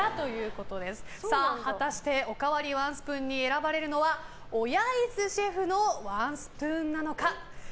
果たしておかわりワンスプーンに選ばれるのは小柳津シェフのワンスプーンなのか。